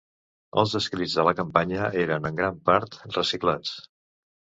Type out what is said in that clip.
Els escrits de la campanya eren en gran part reciclats.